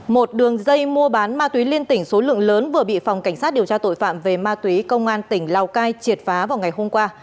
một đường dây mua bán ma túy liên tỉnh số lượng lớn vừa bị phòng cảnh sát điều tra tội phạm về ma túy công an tỉnh lào cai triệt phá vào ngày hôm qua